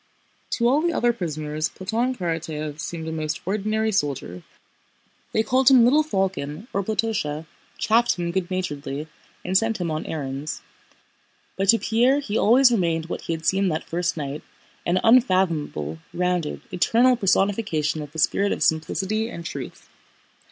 To all the other prisoners Platón Karatáev seemed a most ordinary soldier. They called him "little falcon" or "Platósha," chaffed him good naturedly, and sent him on errands. But to Pierre he always remained what he had seemed that first night: an unfathomable, rounded, eternal personification of the spirit of simplicity and truth.